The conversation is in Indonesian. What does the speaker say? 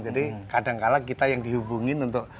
jadi kadang kadang kita yang dihubungin untuk